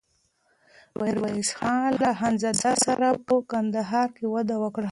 ميرويس خان له خانزادې سره په کندهار کې واده وکړ.